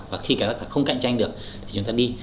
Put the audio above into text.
và khi cái giá cả không cạnh tranh được thì chúng ta đi